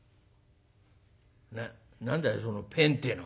「な何だいそのぺんってえのは」。